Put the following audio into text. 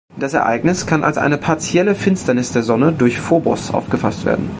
Das Ereignis kann als eine partielle Finsternis der Sonne durch Phobos aufgefasst werden.